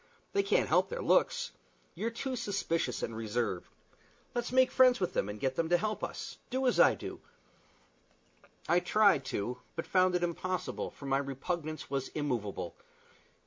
They can't help their looks. You're too suspicious and reserved. Let's make friends with them, and get them to help us. Do as I do." I tried to, but found it impossible, for my repugnance was immovable.